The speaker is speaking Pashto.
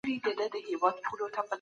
ډاکتران باید مسوولانه چلند وکړي.